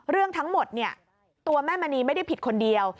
เรื่องทั้งหมดเนี่ยตัวแม่มณีไม่ได้ผิดคนเดียว